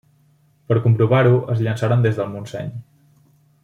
Per comprovar-ho, es llançaren des del Montseny.